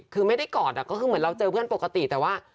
คือไม่ได้กอดก็คือเหมือนเราเจอเพื่อนปกติแต่ว่า